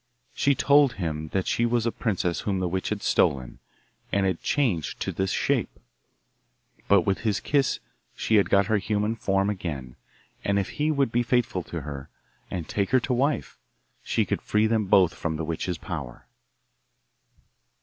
She told him then that she was a princess whom the witch had stolen, and had changed to this shape, but with his kiss she had got her human form again; and if he would be faithful to her, and take her to wife, she could free them both from the witch's power.